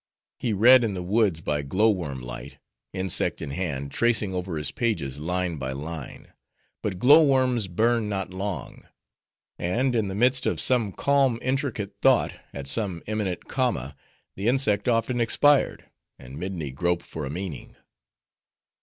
He read in the woods by glow worm light; insect in hand, tracing over his pages, line by line. But glow worms burn not long: and in the midst of some calm intricate thought, at some imminent comma, the insect often expired, and Midni groped for a meaning.